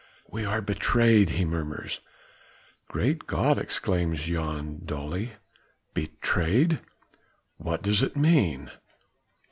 "We are betrayed," he murmurs. "Great God!" exclaims Jan dully. "Betrayed!" "What does it mean?"